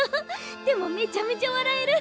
でもめちゃめちゃ笑える。